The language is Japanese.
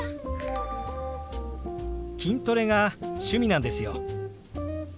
筋トレが趣味なんですよ。